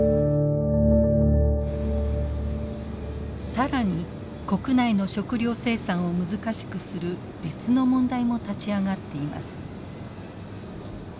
更に国内の食料生産を難しくする別の問題も立ち上がっています。